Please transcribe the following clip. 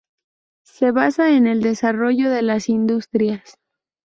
Se basa en el desarrollo de las industrias.